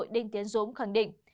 đinh tiến dũng khẳng định